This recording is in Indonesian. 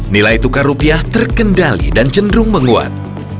nilai tukar rupiah terkendali dan cenderung menguat